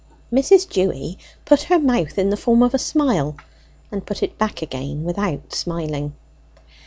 Mrs. Dewy put her mouth in the form of a smile, and put it back again without smiling.